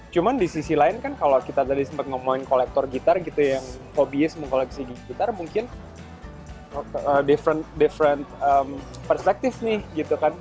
cuma di sisi lain kan kalau kita tadi sempat ngomongin kolektor gitar gitu yang hobias mengkoleksi gigi gitar mungkin different perspective nih gitu kan